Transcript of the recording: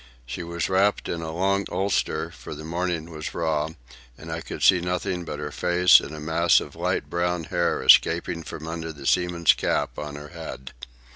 She was wrapped in a long ulster, for the morning was raw; and I could see nothing but her face and a mass of light brown hair escaping from under the seaman's cap on her head.